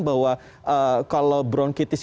bahwa kalau bronkitis